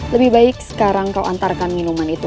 lebih baik sekarang kau antarkan minuman itu